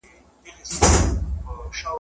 زه په خیال کي شاه جهان د دې جهان وم `